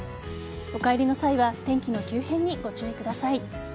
お帰りの際は天気の急変にご注意ください。